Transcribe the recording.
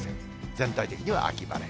全体的には秋晴れ。